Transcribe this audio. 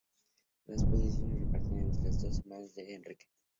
Las posesiones se repartieron entre dos hermanas de Enrique.